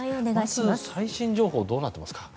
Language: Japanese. まず最新情報どうなっていますか？